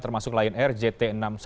termasuk lion air jt enam ratus sepuluh